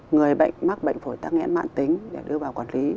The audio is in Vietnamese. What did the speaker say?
người bệnh mắc bệnh phổi tắc nghẽn mạng tính để đưa vào quản lý